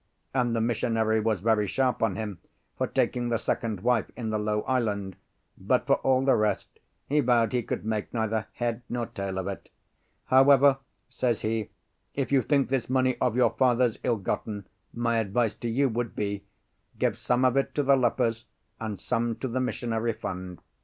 And the missionary was very sharp on him for taking the second wife in the low island; but for all the rest, he vowed he could make neither head nor tail of it. "However," says he, "if you think this money of your father's ill gotten, my advice to you would be, give some of it to the lepers and some to the missionary fund.